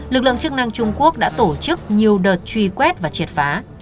lực lượng chức năng trung quốc đã tổ chức nhiều đợt truy quét và triệt phá